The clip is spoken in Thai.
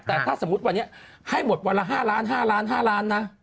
แต่ถ้าสมมุติวันนี้ให้หมดวันละ๕ล้าน๕ล้าน๕ล้านนะ